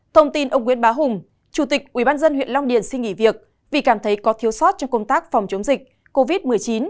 thông tin ông nguyễn bá hùng chủ tịch ubnd huyện long điền xin nghỉ việc vì cảm thấy có thiếu sót trong công tác phòng chống dịch covid một mươi chín